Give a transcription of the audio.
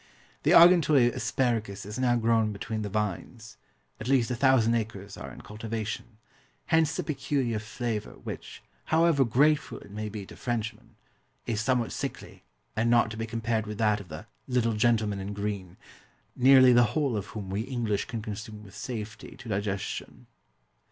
The Argenteuil asparagus is now grown between the vines at least 1000 acres are in cultivation hence the peculiar flavour which, however grateful it may be to Frenchmen, is somewhat sickly and not to be compared with that of the "little gentleman in Green," nearly the whole of whom we English can consume with safety to digestion.